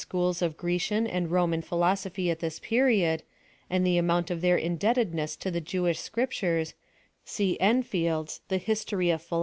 schools of Grecian and Roman philosophy at this period, and the amount of their indebtedness to the JeAvish Scriptures, see Enfield's Hist Phil.